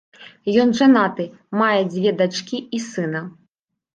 Ён жанаты, мае дзве дачкі і сына.